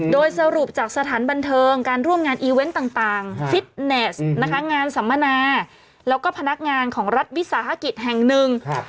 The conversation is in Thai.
โดยสรุปจากสถานบันเทิงการร่วมงานอีเวนต์ต่างฟิตเนสนะคะงานสัมมนาแล้วก็พนักงานของรัฐวิสาหกิจแห่งหนึ่ง